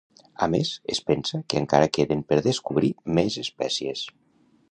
A més, es pensa que encara queden per descobrir més espècies.